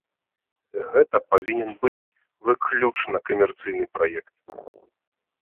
Гэта павінен быць выключна камерцыйны праект.